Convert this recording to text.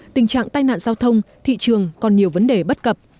tình trạng tai nạn giao thông thị trường còn nhiều vấn đề bất cập